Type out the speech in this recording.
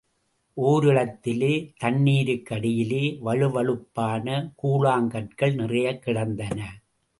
ஓரிடத்திலே தண்ணீருக்கடியிலே வழுவழுப்பான கூழாங்கற்கள் நிறையக் கிடந்தன.